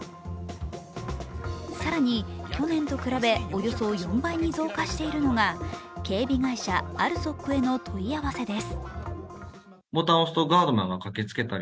更に、去年と比べ、およそ４倍に増加しているのが警備会社ＡＬＳＯＫへの問い合わせです